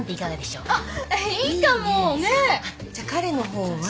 じゃあ彼の方は。